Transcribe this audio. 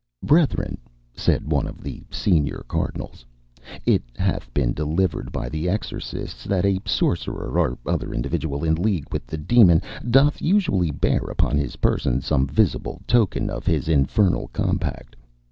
"Brethren," said one of the senior cardinals, "it hath been delivered by the exorcists that a sorcerer or other individual in league with the demon doth usually bear upon his person some visible token of his infernal compact.